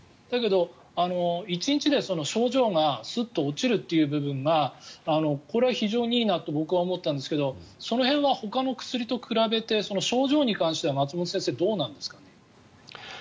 だけど、１日で症状がすっと落ちるという部分がこれは非常にいいなと僕は思ったんですけどその辺はほかの薬と比べて症状に関しては松本先生、どうなんですかね。